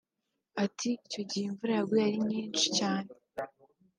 Ati “Icyo gihe imvura yaguye ari nyinshi cyane